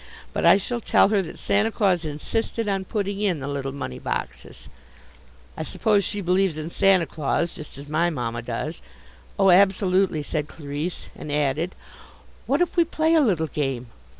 But I shall tell her that Santa Claus insisted on putting in the little money boxes." "I suppose she believes in Santa Claus, just as my mamma does." "Oh, absolutely," said Clarisse, and added, "What if we play a little game!